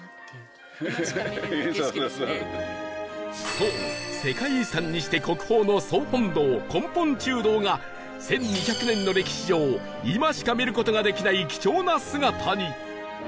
そう世界遺産にして国宝の総本堂根本中堂が１２００年の歴史上今しか見る事ができない貴重な姿に